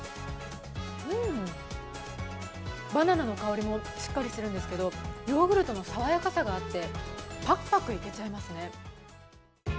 バナナの香りもしっかりするんですけれども、ヨーグルトの爽やかさがあってパクパクいけちゃいますね。